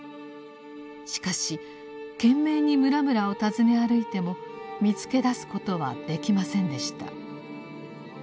しかし懸命に村々を訪ね歩いても見つけだすことはできませんでした。